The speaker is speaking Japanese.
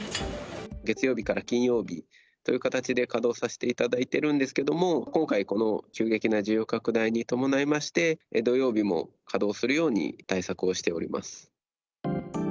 月曜日から金曜日という形で稼働させていただいてるんですけども、今回、この急激な需要拡大に伴いまして、土曜日も稼働するように対策をしております。